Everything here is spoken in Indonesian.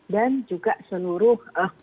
dan juga seluruh